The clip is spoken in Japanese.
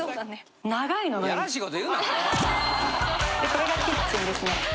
これがキッチンですね。